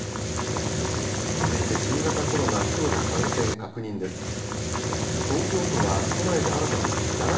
続いて新型コロナ、きょうの感染確認です。